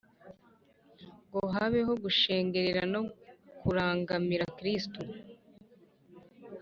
ngo habeho gushengerera no kurangamira kristu